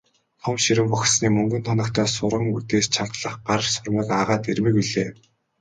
Том ширэн богцны мөнгөн тоногтой суран үдээс чангалах гар сурмаг агаад эрмэг билээ.